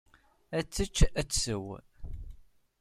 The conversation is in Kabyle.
Ad tečč, ad tsew.